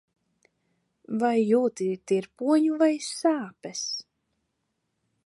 Vai jūti tirpoņu vai sāpes?